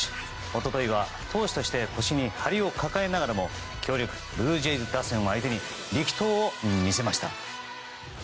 一昨日は、投手として腰に張りを抱えながらも強力ブルージェイズ打線を相手に力投を見せました。